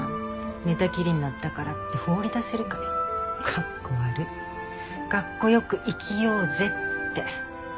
「寝たきりになったからって放り出せるかよカッコ悪い」「カッコよく生きようぜ」って。